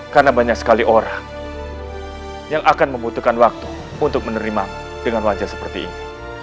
karena banyak sekali orang yang akan membutuhkan waktu untuk menerimamu dengan wajah seperti ini